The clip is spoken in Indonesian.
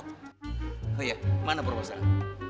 oh iya mana perumah sana